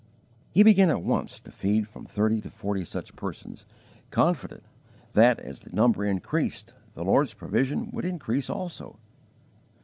He began at once to feed from thirty to forty such persons, confident that, as the number increased, the Lord's provision would increase also.